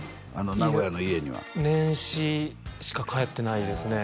名古屋の家には年始しか帰ってないですね